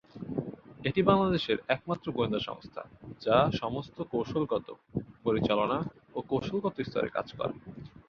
এটি বাংলাদেশের একমাত্র গোয়েন্দা সংস্থা যা সমস্ত কৌশলগত, পরিচালনা ও কৌশলগত স্তরে কাজ করে।